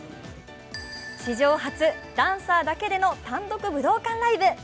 史上初、ダンサーだけでの単独武道館ライブ。